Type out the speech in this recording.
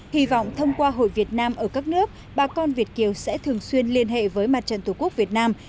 hy vọng thông qua hội việt nam ở các nước bà con việt kiều sẽ thường xuyên liên hệ với mặt trận tổ quốc việt nam